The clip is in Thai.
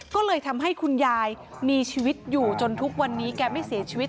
ก็เลยทำให้คุณยายมีชีวิตอยู่จนทุกวันนี้แกไม่เสียชีวิต